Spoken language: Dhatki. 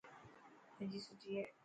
کجي سٺي هي.